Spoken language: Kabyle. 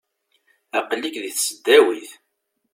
Aqqel-ik deg tesdawit.